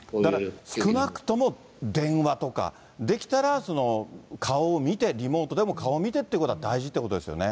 少なくとも電話とか、できたら顔を見て、リモートでも顔を見てってということは大事っていうことですよね。